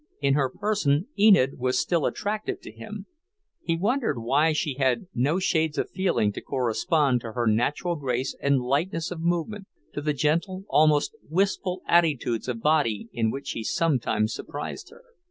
In her person Enid was still attractive to him. He wondered why she had no shades of feeling to correspond to her natural grace and lightness of movement, to the gentle, almost wistful attitudes of body in which he sometimes surprised her.